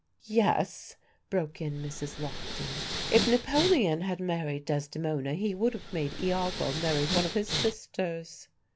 "Yes," broke in Mrs. Lockton, "if Napoleon had married Desdemona he would have made Iago marry one of his sisters."